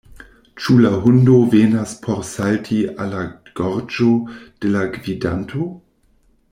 Ĉu la hundo venas por salti al la gorĝo de la gvidanto?